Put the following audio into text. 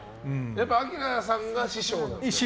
アキラさんが師匠なんですか。